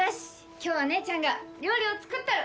今日は姉ちゃんが料理を作ったる！